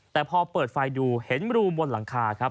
แต่พอเปิดไฟดูเห็นรูบนหลังคาครับ